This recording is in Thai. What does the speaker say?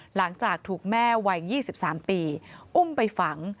หลังจากถูกแม่วัย๒๓ปีอุ้มไปฝัง